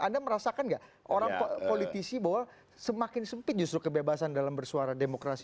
anda merasakan gak orang politisi bahwa semakin sempit justru kebebasan dalam bersuara demokrasi